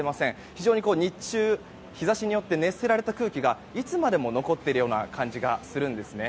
非常に日中日差しによって熱せられた空気がいつまでも残っているような感じがするんですね。